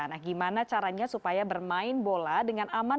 nah gimana caranya supaya bermain bola dengan aman